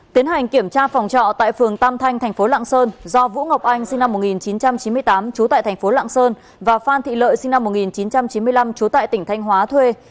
tiến hành kiểm tra phòng trọ tại phường tam thanh thành phố lạng sơn do vũ ngọc anh sinh năm một nghìn chín trăm chín mươi tám trú tại thành phố lạng sơn và phan thị lợi sinh năm một nghìn chín trăm chín mươi năm trú tại tỉnh thanh hóa thuê